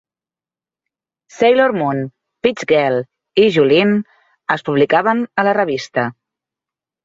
"Sailor Moon", "Peach Girl" y "Juline" es publicaven a la revista.